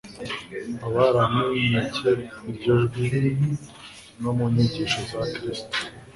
baba baramenycye iryo jwi no mu nyigisho za Kristo.